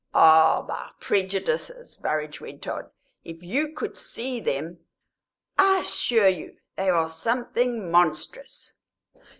"Ah, my prejudices," Burrage went on; "if you could see them I assure you they are something monstrous!"